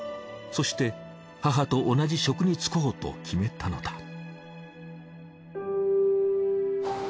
そして母と同じ職に就こうと決めたのだ。